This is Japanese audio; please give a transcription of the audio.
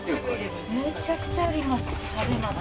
めちゃくちゃあります。